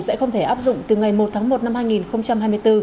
sẽ không thể áp dụng từ ngày một tháng một năm hai nghìn hai mươi bốn